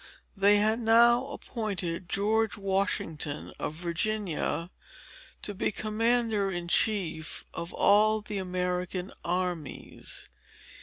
They had now appointed George Washington, of Virginia, to be commander in chief of all the American armies.